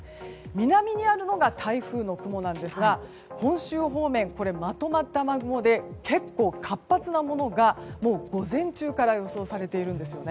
南にあるのが台風の雲なんですが本州方面、まとまった雨雲で結構活発なものがもう午前中から予想されているんです。